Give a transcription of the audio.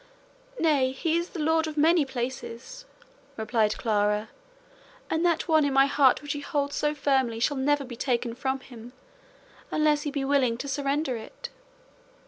"Nay, he is the lord of many places," replied Clara, "and that one in my heart which he holds so firmly shall never be taken from him, unless he be willing to surrender it."